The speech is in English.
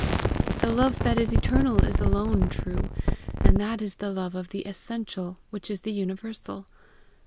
The love that is eternal is alone true, and that is the love of the essential, which is the universal.